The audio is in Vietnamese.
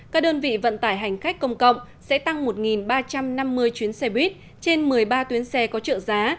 các đơn vị vận tải hành khách công cộng sẽ tăng một ba trăm năm mươi chuyến xe buýt trên một mươi ba tuyến xe có trợ giá